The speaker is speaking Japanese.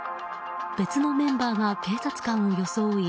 別のメンバーが警察官を装い。